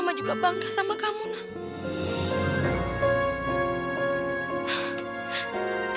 mama juga bangga sama kamu nak